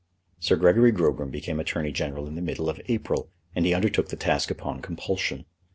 Sir Gregory Grogram became Attorney General in the middle of April, and he undertook the task upon compulsion.